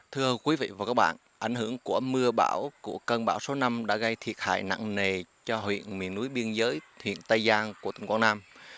thưa quý vị và các bạn ảnh hưởng của mưa bão của cơn bão số năm đã gây thiệt hại nặng nề cho huyện miền núi biên giới huyện tây giang của tỉnh quảng nam